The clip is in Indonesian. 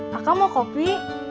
kakak mau kopi